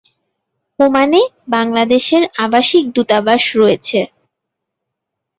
ওমানে বাংলাদেশের আবাসিক দূতাবাস রয়েছে।